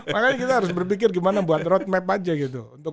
makanya kita harus berpikir gimana buat roadmap aja gitu